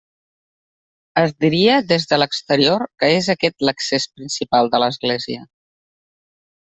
Es diria, des de l'exterior, que és aquest l'accés principal de l'església.